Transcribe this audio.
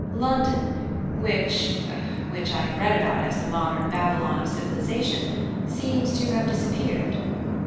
London, which which I have read about as the modern Babylon of civilization, seems to have disappeared."